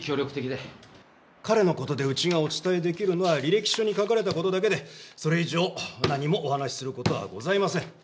彼の事でうちがお伝え出来るのは履歴書に書かれた事だけでそれ以上何もお話しする事はございません。